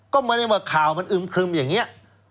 ก็เหมือนว่าข่าวมันอึ้มครึ่มอย่างนี้